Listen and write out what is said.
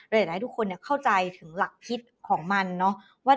อยากให้ทุกคนเข้าใจถึงหลักคิดของมันเนาะ